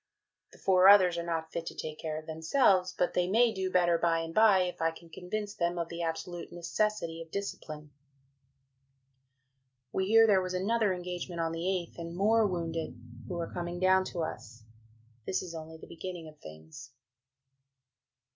The four others are not fit to take care of themselves, but they may do better by and bye if I can convince them of the absolute necessity of discipline. We hear there was another engagement on the 8th and more wounded, who are coming down to us. This is only the beginning of things.